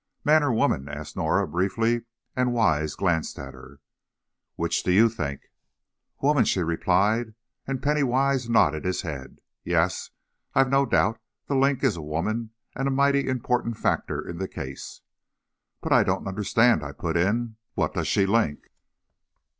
"Man or woman?" asked Norah, briefly, and Wise glanced at her. "Which do you think?" "Woman," she replied, and Penny Wise nodded his head. "Yes, I've no doubt 'The Link' is a woman, and a mighty important factor in the case." "But I don't understand," I put in. "What does she link?"